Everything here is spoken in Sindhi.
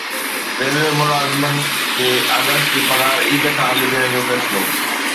ريلوي ملازمن کي آگسٽ جي پگھار عيد کان اڳ ڏيڻ جو فيصلو